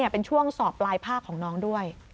เป็นช่วงสอบปลายภาคของน้องด้วย